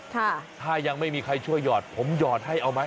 ถ้ายังไม่มีใครช่วยหยอดผมหยอดให้เอาไหม